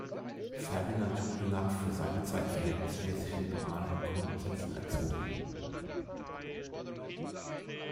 Ferdinand wurde nach für seine Zeit verhältnismäßig liberalen Grundsätzen erzogen.